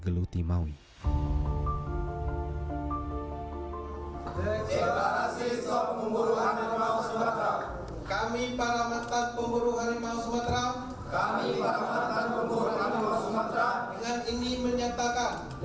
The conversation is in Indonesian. terima kasih pak